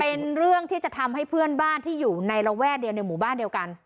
เป็นเรื่องที่จะทำให้เพื่อนบ้านที่อยู่ในระแวกเดียวในหมู่บ้านเดียวกัน